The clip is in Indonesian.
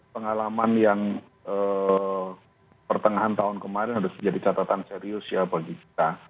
pengalaman yang pertengahan tahun kemarin harus menjadi catatan serius ya bagi kita